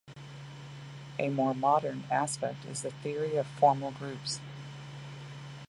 A more modern aspect is the theory of formal groups.